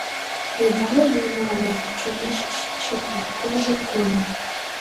Йыдалым муынам да, чон ыш чыте: куржын тольым...